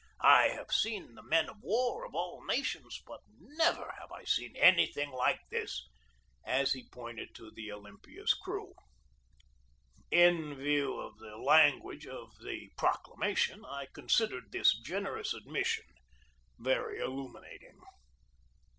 "I have seen the men of war of all the nations, but never have I seen anything like this" (as he pointed to the Olympiads crew). In view of the language of the proclamation, I considered this generous admission very illuminating.